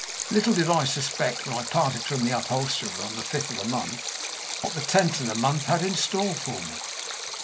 Little did I suspect, when I parted from the upholsterer on the fifth of the month, what the tenth of the month had in store for me.